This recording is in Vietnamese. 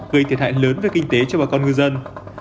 gây thiệt hại lớn về kinh tế cho bà con ngư dân